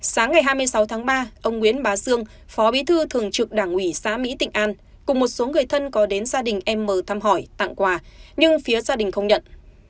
sáng ngày hai mươi sáu tháng ba ông nguyễn bá dương phó bí thư thường trực đảng ủy xã mỹ tịnh an cùng một số người thân có đến gia đình em mờ thăm hỏi tặng quà nhưng phía gia đình không nhận